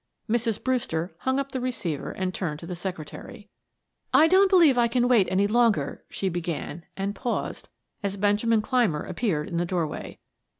Mrs. Brewster hung up the receiver and turned to the secretary. "I don't believe I can wait any longer," she began, and paused, as Benjamin Clymer appeared in the doorway.